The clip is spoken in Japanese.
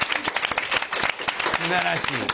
すばらしい。